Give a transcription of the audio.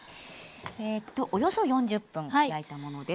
およそ４０分焼いたものです。